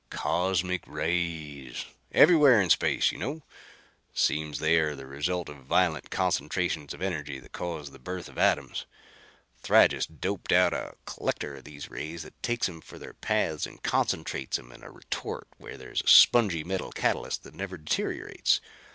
"Cosmic rays. Everywhere in space you know. Seems they are the result of violent concentrations of energy that cause the birth of atoms. Thrygis doped out a collector of these rays that takes 'em from their paths and concentrates 'em in a retort where there's a spongy metal catalyst that never deteriorates.